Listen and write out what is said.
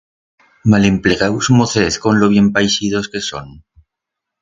Malemplegaus mocez con lo bien paixidos que son.